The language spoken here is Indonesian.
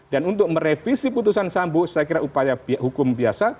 dan untuk merevisi putusan sambu saya kira upaya hukum biasa